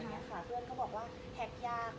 มีถามเพื่อนที่เป็นโปรแกรมเมอร์เป็นอะไรอย่างนี้ค่ะ